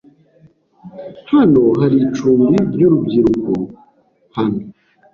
Hano hari icumbi ryurubyiruko hano?